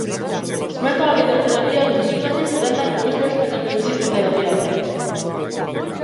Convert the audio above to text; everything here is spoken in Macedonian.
Смета дека терапијата со читање подеднакво е успешна како и психотерапијата.